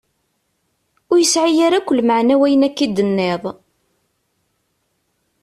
Ur yesɛi ara akklmeɛna wayen akka i d-tenniḍ.